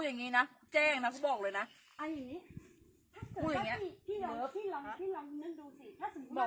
อีกเบาอีกเบา